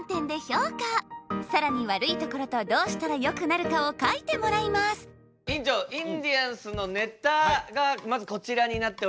更にわるいところとどうしたらよくなるかを書いてもらいます院長インディアンスのネタがまずこちらになっております。